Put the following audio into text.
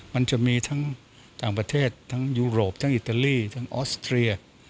มันจะมีทั้งต่างประเทศทั้งยูโรปทั้งอิตาลีทั้งออสเตรีย